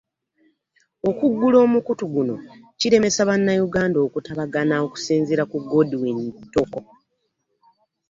Okuggula omukutu guno kiremesa bannayuganda okutabagana okusinziira ku Godwin Toko.